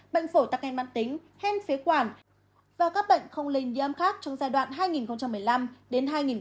bệnh phổ tắc ngay bản tính hen phế quản và các bệnh không linh di âm khác trong giai đoạn hai nghìn một mươi năm hai nghìn hai mươi năm